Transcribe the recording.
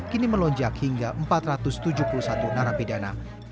kini melonjak hingga empat ratus tujuh puluh satu narapidana